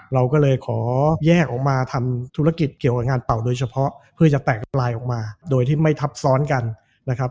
เราก็เลยขอแยกออกมาทำธุรกิจเกี่ยวกับงานเป่าโดยเฉพาะเพื่อจะแตกปลายออกมาโดยที่ไม่ทับซ้อนกันนะครับ